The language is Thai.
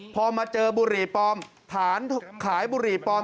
พอมาเจอบุหรี่ปลอมฐานขายบุหรี่ปลอม